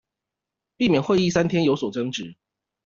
避免會議三天有所爭執